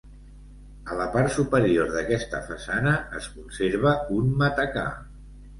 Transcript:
A la part superior d'aquesta façana es conserva un matacà.